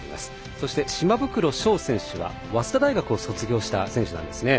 そして島袋将選手は早稲田大学を卒業した選手なんですね。